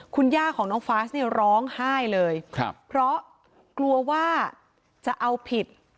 คุณย่าของน้องฟาสเนี่ยร้องไห้เลยครับเพราะกลัวว่าจะเอาผิด